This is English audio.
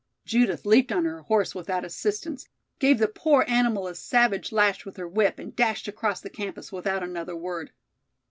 Judith leaped on her horse without assistance, gave the poor animal a savage lash with her whip and dashed across the campus without another word.